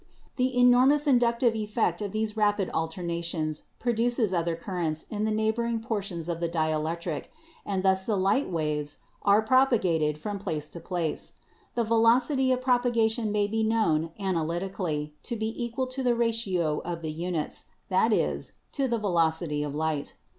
The enormous inductive effect of these rapid alternations produces other currents in the neighboring portions of the dielectric, and thus the light waves are propagated from place to place. The velocity of propa gation may be known analytically to be equal to the ratio of the units — that is, to the velocity of light.